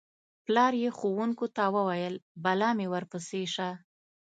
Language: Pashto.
پلار یې ښوونکو ته وویل: بلا مې ورپسې شه.